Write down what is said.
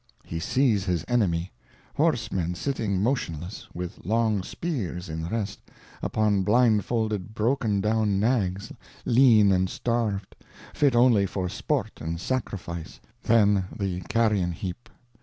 He sees his enemy: horsemen sitting motionless, with long spears in rest, upon blindfolded broken down nags, lean and starved, fit only for sport and sacrifice, then the carrion heap.